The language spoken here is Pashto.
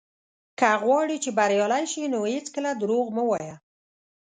که غواړې چې بريالی شې، نو هېڅکله دروغ مه وايه.